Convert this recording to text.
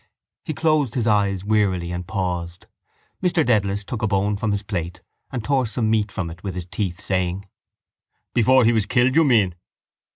He closed his eyes wearily and paused. Mr Dedalus took a bone from his plate and tore some meat from it with his teeth, saying: —Before he was killed, you mean.